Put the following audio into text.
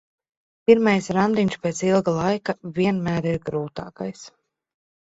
Pirmais randiņš pēc ilga laika vienmēr ir grūtākais.